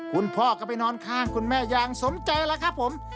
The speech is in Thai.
คุณพ่อก็ไปนอนข้างคุณแม่อย่างสมใจแล้วครับผม